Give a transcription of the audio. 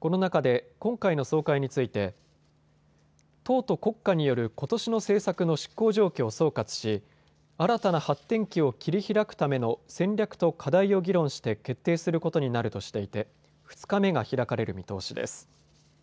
この中で今回の総会について党と国家によることしの政策の執行状況を総括し新たな発展期を切り開くための戦略と課題を議論して決定することになるとしていて２日目が開かれる見通しです。